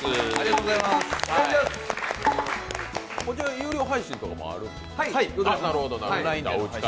有料配信とかもあるんですか。